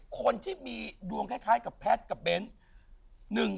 คนที่มีดวงคล้ายกับแพทย์กับเบ้น